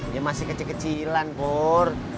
dia masih kecil kecilan bor